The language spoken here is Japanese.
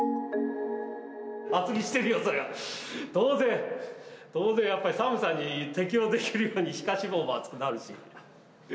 厚着してるよ、そりゃ、当然、当然やっぱり寒さに適応できるように、皮下脂肪も厚くなるし。